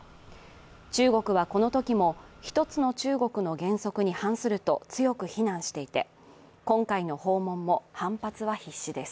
中国はこのときも一つの中国の原則に反すると強く非難していて、今回の訪問も反発は必至です。